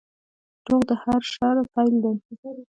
• دروغ د هر شر پیل دی.